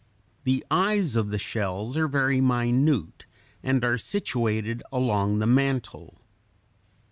The eyes of the shells are very minute and are situated along the mantle.